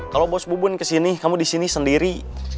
kalau bos bobon kesini kamu disini sendiri